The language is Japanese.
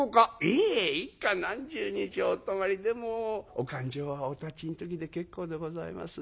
「いえ幾日何十日お泊まりでもお勘定はおたちの時で結構でございます」。